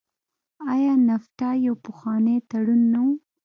آیا نفټا یو پخوانی تړون نه و؟